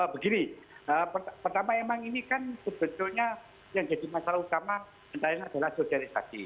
begini pertama memang ini kan sebetulnya yang jadi masalah utama misalnya adalah sosialisasi